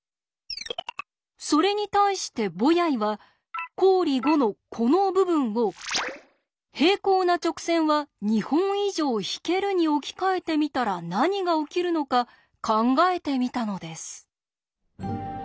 それに対してボヤイは公理５のこの部分を「平行な直線は２本以上引ける」に置き換えてみたら何が起きるのか考えてみたのです。